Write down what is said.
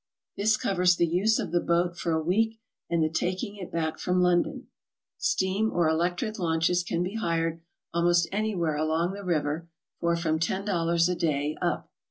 This covers the use of the boat for a week and the taking it back from London. Steam or electric launches can be hired almost anywhere along the river for from $10 a day up.